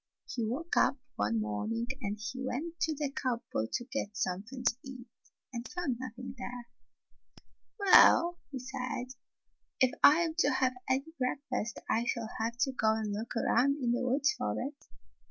He woke up one morning and went to the cup board to get something to eat, and found nothing there. "Well," he said, "if I am to have any breakfast I shall have to go and look aroimd in the woods for it."